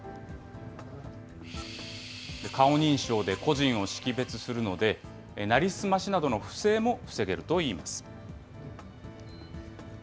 顔認証で個人を識別するので、成り済ましなどの不正も防げるといいます。